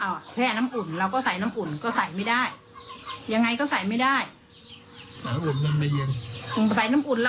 แล้วรัฐบอกฟังเคยไปดูหรือ